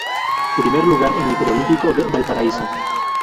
Primer lugar en el preolímpico de Valparaíso.